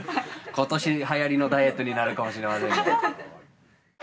今年はやりのダイエットになるかもしれませんね。